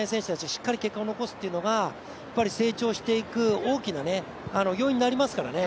しっかり結果を残すっていうのが成長していく大きな要因になりますからね。